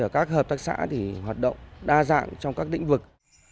các hợp tác xã hoạt động đa dạng trong các lĩnh vực